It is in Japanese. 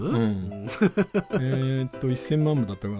えっと１，０００万部だったから。